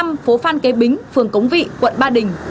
phố phan kế bính phường cống vị quận ba đình